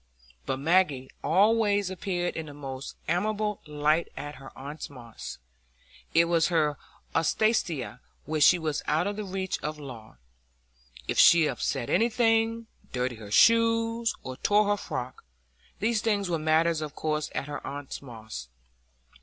But Maggie always appeared in the most amiable light at her aunt Moss's; it was her Alsatia, where she was out of the reach of law,—if she upset anything, dirtied her shoes, or tore her frock, these things were matters of course at her aunt Moss's.